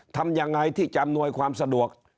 ทำยังไงที่จะอำนวยความสะดวก